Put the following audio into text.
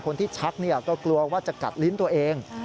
ชักก็กลัวว่าจะกัดลิ้นตัวเอง